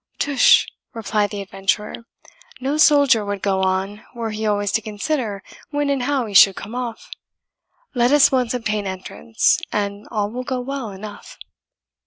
"Tush," replied the adventurer; "no soldier would go on were he always to consider when and how he should come off. Let us once obtain entrance, and all will go well enough."